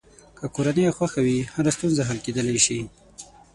که کورنۍ خوښه وي، هره ستونزه حل کېدلی شي.